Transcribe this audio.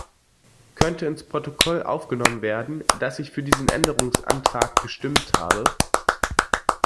Könnte ins Protokoll aufgenommen werden, dass ich für diesen Änderungsantrag gestimmt habe?